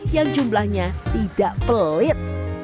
yang jumlahnya tidak pelit